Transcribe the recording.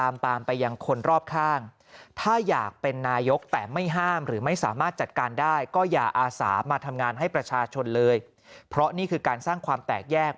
มาทำงานให้ประชาชนเลยเพราะนี่คือการสร้างความแตกแยก